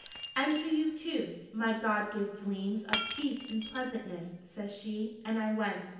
'And to you, too, my God give dleams of peace and pleasantness,' says she; and I went.